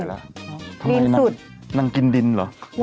ทำไมนางกินดินเหรอ